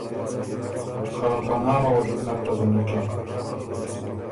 خه په نامه وه دی بو نک پزنکِن۔